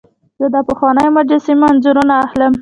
زه د پخوانیو مجسمو انځورونه اخلم.